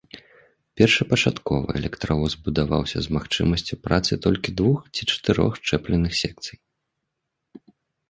Першапачаткова электравоз будаваўся з магчымасцю працы толькі двух ці чатырох счэпленых секцый.